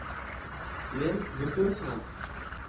Men bukun ham